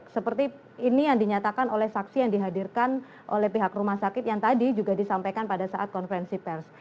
seperti ini yang dinyatakan oleh saksi yang dihadirkan oleh pihak rumah sakit yang tadi juga disampaikan pada saat konferensi pers